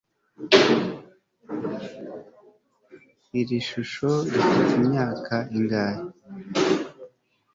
iri shusho rifite imyaka ingahe